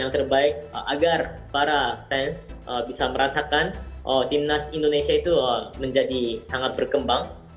yang terbaik agar para fans bisa merasakan timnas indonesia itu menjadi sangat berkembang